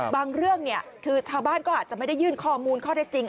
บางเรื่องชาวบ้านก็อาจจะไม่ได้ยื่นข้อมูลข้อได้จริง